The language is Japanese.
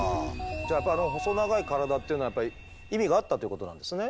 じゃああの細長い体っていうのはやっぱり意味があったということなんですね。